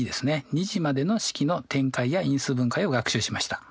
２次までの式の展開や因数分解を学習しました。